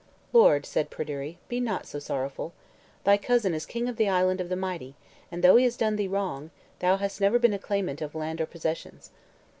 "Lord," said Pryderi, "be not so sorrowful. Thy cousin is king of the Island of the Mighty, and though he has done thee wrong, thou hast never been a claimant of land or possessions."